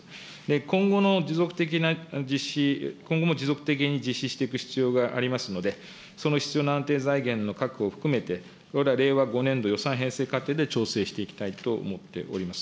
今後の持続的な実施、今後も持続的に実施していく必要がありますので、その必要な安定財源の確保を含めて、令和５年度予算編成過程で調整していきたいと思っております。